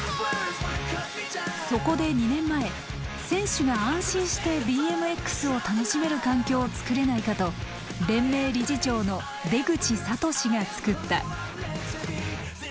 そこで２年前選手が安心してＢＭＸを楽しめる環境を作れないかと連盟理事長の出口智嗣が作った。